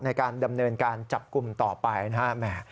ในการดำเนินการจับกลุ่มต่อไปนะครับ